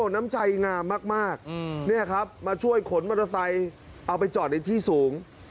น้ำใจงามมากมาช่วยขนมอเตอร์ไซค์เอาไปจอดในที่สูง